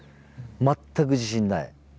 全く自信ない。